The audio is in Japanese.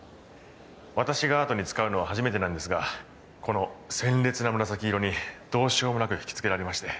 私がアートに使うのは初めてなんですがこの鮮烈な紫色にどうしようもなく引きつけられまして。